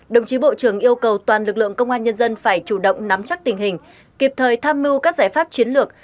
đồng chí bộ trưởng yêu cầu toàn lực lượng công an nhân dân phải chủ động nắm chắc tình hình kịp thời tham mưu các giải pháp chiến lược